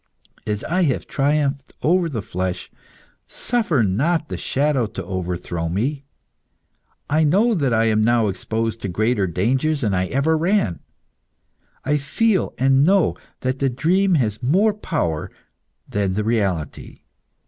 As I have triumphed over the flesh, suffer not the shadow to overthrow me. I know that I am now exposed to greater dangers than I ever ran. I feel and know that the dream has more power than the reality.